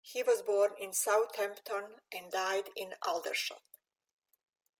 He was born in Southampton and died in Aldershot.